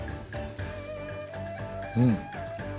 うん。